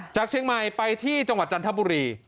จากเชื่อมายไปจังหวัดจันทบุรี